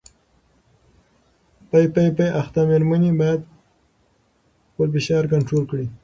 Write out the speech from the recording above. پي پي پي اخته مېرمنې باید خپل فشار کنټرول کړي.